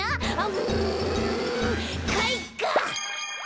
うんかいか！